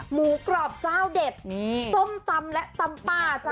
หมูกรอบเจ้าเด็ดส้มตำและตำป่าจ้ะ